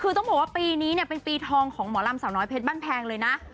คือต้องบอกว่าปีนี้เนี่ยเป็นปีทองของหมอลำสาวน้อยเพชรบ้านแพงเลยนะ